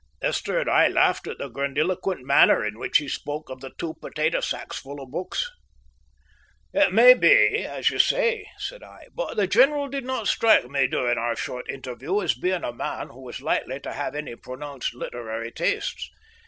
Esther and I laughed at the grandiloquent manner in which he spoke of the two potato sacksful of books. "It may be as you say," said I, "but the general did not strike me during our short interview as being a man who was likely to have any very pronounced literary tastes.